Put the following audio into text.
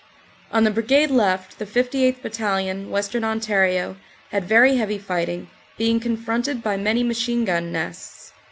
On the Brigade left the 58th. Battalion, Western Ontario, had very heavy fighting, being confronted by many machine gun nests.